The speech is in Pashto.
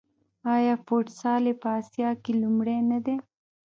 آیا فوټسال یې په اسیا کې لومړی نه دی؟